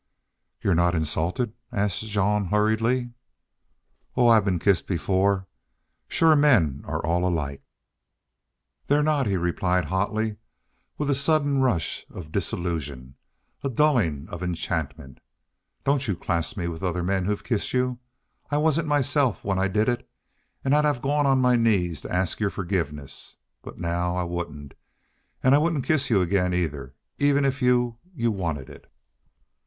"You're not insulted?" asked Jean, hurriedly. "Oh, I've been kissed before. Shore men are all alike." "They're not," he replied, hotly, with a subtle rush of disillusion, a dulling of enchantment. "Don't you class me with other men who've kissed you. I wasn't myself when I did it an' I'd have gone on my knees to ask your forgiveness.... But now I wouldn't an' I wouldn't kiss you again, either even if you you wanted it."